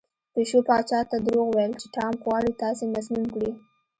پیشو پاچا ته دروغ وویل چې ټام غواړي تاسې مسموم کړي.